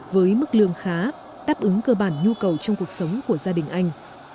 với mức lương khá đáp ứng cơ bản nhu cầu trong cuộc sống của gia đình anh